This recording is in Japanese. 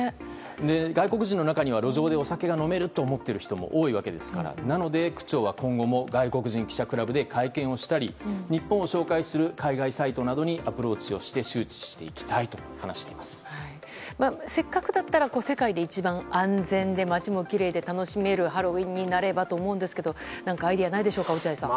外国人の中には路上でお酒が飲めると思っている人も多いわけですから、なので、区長は今後も外国人記者クラブで会見をしたり、日本を紹介する海外サイトなどにアプローチをして周知していきたせっかくだったら、世界で一番安全で、街もきれいで楽しめるハロウィーンになればと思うんですけど、なんかアイデアないでしょうか、落合さん。